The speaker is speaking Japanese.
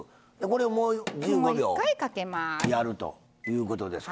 もう１５秒やるということですか。